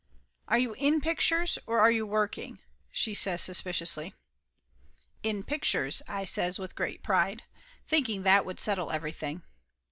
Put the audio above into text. "Are you in pictures or are you working?" she says suspiciously. "In pictures," I says with great pride, thinking that would settle everything.